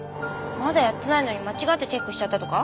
まだやってないのに間違ってチェックしちゃったとか？